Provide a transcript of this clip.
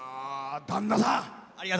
旦那さん！